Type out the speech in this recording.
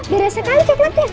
berasa sekali coklatnya